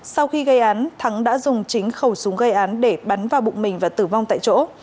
sau khi gây án thắng đã dùng chính khẩu súng gây án để bắn vào bụng mình và tử vong tại chỗ